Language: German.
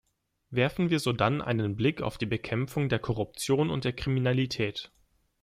Werfen wir sodann einen Blick auf die Bekämpfung der Korruption und der Kriminalität.